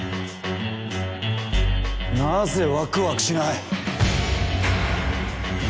なぜワクワクしない。